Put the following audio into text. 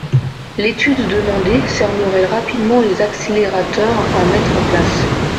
L’étude demandée cernerait rapidement les accélérateurs à mettre en place.